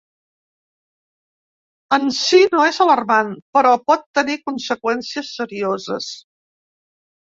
En si no és alarmant, però pot tenir conseqüències serioses.